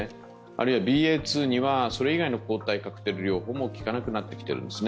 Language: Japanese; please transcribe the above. あるいはＢＡ．２には、それ以外の抗体カクテル療法も効かなくなってきているんです。